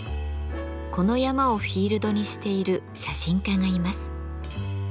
この山をフィールドにしている写真家がいます。